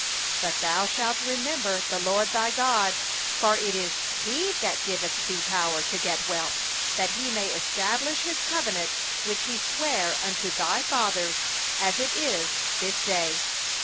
18But thou shalt remember the LORD thy God, for it is He that giveth thee power to get wealth, that He may establish His covenant which He swore unto thy fathers, as it is this day.